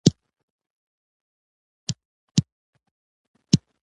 • خندا د ښو خلکو عادت دی.